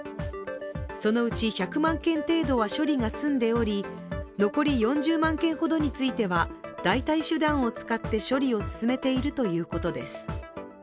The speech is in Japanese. そのうち１００万件程度は処理が済んでおり残り４０万件ほどについては代替手段を使って処理を進めているということです。